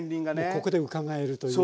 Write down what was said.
ここでうかがえるというね。